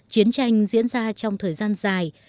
chiến tranh diễn ra trong thời gian dài